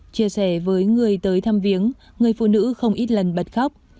chia sẻ với người tới thăm viếng người phụ nữ không ít lần bật khóc